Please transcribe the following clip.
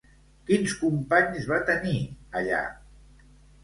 Quins companys va tenir, allà?